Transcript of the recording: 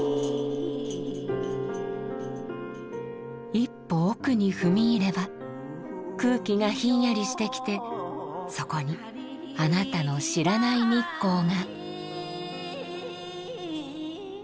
一歩奥に踏み入れば空気がひんやりしてきてそこにあなたの知らない日光が。